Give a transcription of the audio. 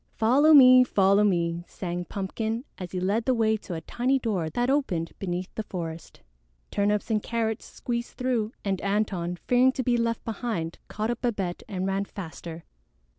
"Follow me! Follow me!" sang Pumpkin, as he led the way to a tiny door that opened beneath the forest. Turnips and Carrots squeezed through, and Antone, fearing to be left behind, caught up Babette and ran faster.